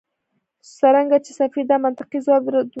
څرنګه چې سفیر دا منطقي ځواب ردولای نه شوای.